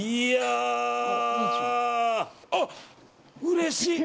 あ、うれしい！